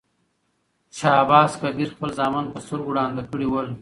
شاه عباس کبیر خپل زامن په سترګو ړانده کړي ول.